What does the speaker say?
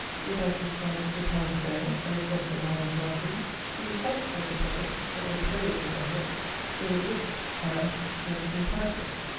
If that you chance to passe there, As doth the man of blacking; He insults like a puttock O're the prey of the buttock With a whip't a ... sends him packing.